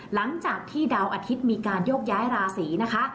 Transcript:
หลังจากที่ดาวอาทิตย์มีการโยกย้ายราศีนะคะ